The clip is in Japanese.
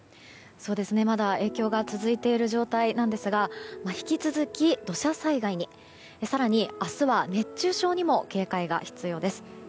そうですね、まだ影響が続いている状態なんですが引き続き土砂災害に更に明日は熱中症にも警戒が必要です。